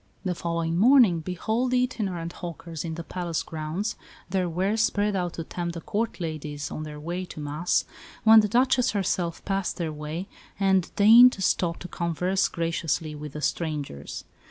The following morning behold the itinerant hawkers in the palace grounds, their wares spread out to tempt the Court ladies on their way to Mass, when the Duchess herself passed their way and deigned to stop to converse graciously with the strangers.